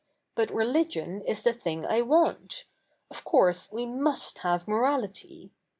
But re/igion is the thing I want. Of course we 7nusf have morality.